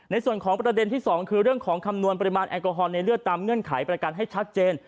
ในส่วนของประเด็นที่๒คือเรื่องของคำนวณปริมาณแอลกอฮอลในเลือดตามเงื่อนไขประกันให้ชัดเจน